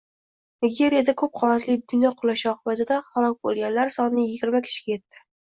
Nigeriyada ko‘p qavatli bino qulashi oqibatida halok bo‘lganlar soniyigirmakishiga yetdi